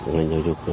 ngành giáo dục